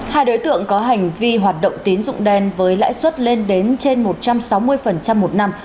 hai đối tượng có hành vi hoạt động tín dụng đen với lãi suất lên đến trên một trăm sáu mươi một năm